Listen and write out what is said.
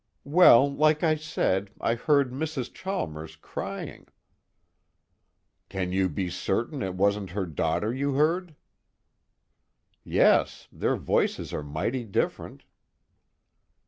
"Well, like I said, I heard Mrs. Chalmers crying." "Can you be certain it wasn't her daughter you heard?" "Yes. Their voices are mighty different."